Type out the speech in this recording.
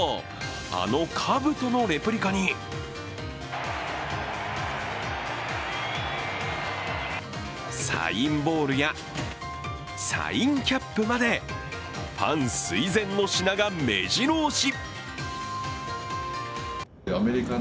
あのかぶとのレプリカにサインボールやサインキャップまで、ファン垂ぜんの品がめじろ押し。